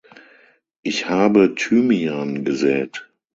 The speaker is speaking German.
Ich habe Thymian gesät.